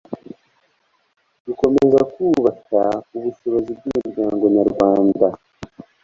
gukomeza kubaka ubushobozi bw'imiryango nyarwanda